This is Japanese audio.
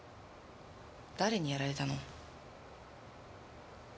誰にやられたの？